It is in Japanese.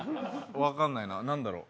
分かんないな、何だろ。